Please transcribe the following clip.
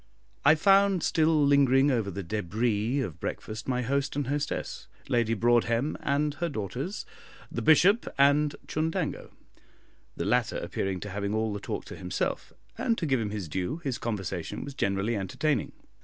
I found still lingering over the debris of breakfast my host and hostess, Lady Broadhem and her daughters, the Bishop and Chundango. The latter appeared to be having all the talk to himself, and, to give him his due, his conversation was generally entertaining.